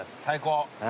最高。